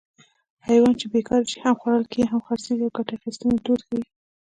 حیوان چې بېکاره شي هم خوړل کېږي هم خرڅېږي د ګټې اخیستنې دود ښيي